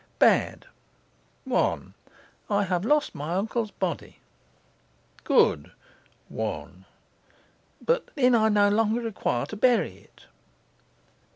Bad. Good. 1. I have lost my uncle's body. 1. But then I no longer require to bury it.